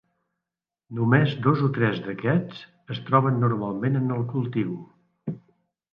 Només dos o tres d'aquests es troben normalment en el cultiu.